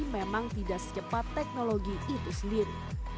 memang tidak secepat teknologi itu sendiri